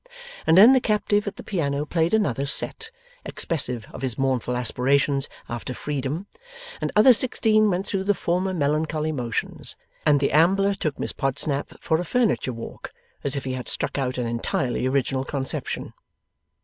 And then the captive at the piano played another 'set,' expressive of his mournful aspirations after freedom, and other sixteen went through the former melancholy motions, and the ambler took Miss Podsnap for a furniture walk, as if he had struck out an entirely original conception.